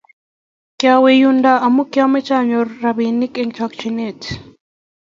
kiawe yundo amu kiamache anyor robinik eng chakchyinet